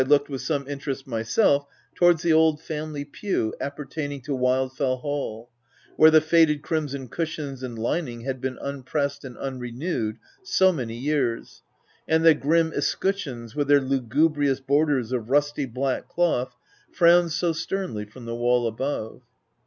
19 looked with some interest myself towards the old family pew, appertaining to Wildfell Hall, where the faded crimson cushions and lining had been unpressed and unrenewed so many years, and the grim escutcheons, with their lugubrious borders of rusty black cloth, frowned so sternly from the wall above.